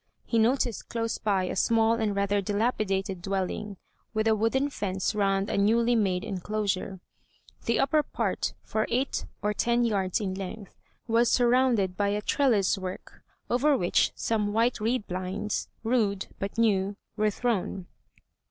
He noticed close by a small and rather dilapidated dwelling, with a wooden fence round a newly made enclosure. The upper part, for eight or ten yards in length, was surrounded by a trellis work, over which some white reed blinds rude, but new were thrown.